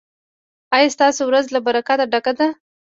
ایا ستاسو ورځ له برکته ډکه ده؟